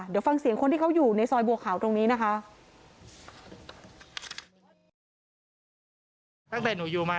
เดี๋ยวฟังเสียงคนที่เขาอยู่ในซอยบัวขาวตรงนี้นะคะ